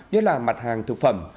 nhất là mặt hàng thực phẩm